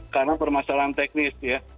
karena permasalahan teknis ya